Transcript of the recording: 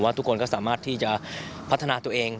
ทุกคนก็สามารถที่จะพัฒนาตัวเอง